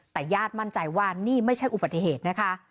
แต่ญาติมั่นใจว่านี่ไม่ใช่อุบัติเหตุนะคะ